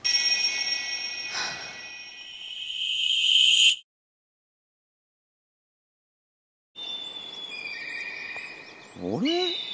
あれ？